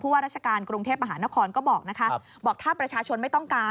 ผู้ว่าราชการกรุงเทพมหานครก็บอกนะคะ